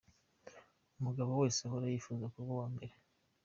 Umugabo wese ahora yifuza kuba uwambere.